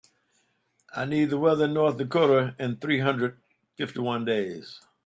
I need the weather in North Dakota in three hundred fifty one days